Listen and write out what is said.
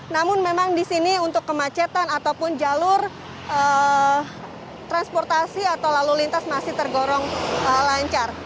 namun memang di sini untuk kemacetan ataupun jalur transportasi atau lalu lintas masih tergolong lancar